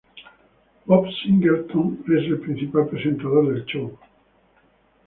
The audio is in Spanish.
Bob Singleton es el principal presentador del show.